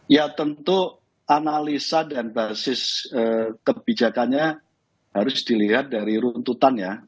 ya tentu analisa dan basis kebijakannya harus dilihat dari runtutan ya